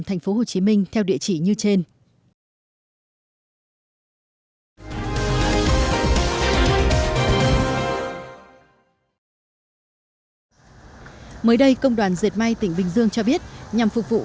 tp hcm theo địa chỉ như trên